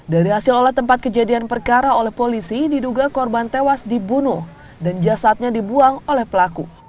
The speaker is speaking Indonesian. dari hasil olah tempat kejadian perkara oleh polisi diduga korban tewas dibunuh dan jasadnya dibuang oleh pelaku